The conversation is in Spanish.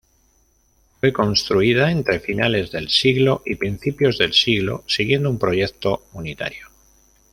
Fue construida entre finales del siglo y principios del siglo siguiendo un proyecto unitario.